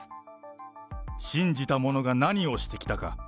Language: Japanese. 信じた者が何をしてきたか。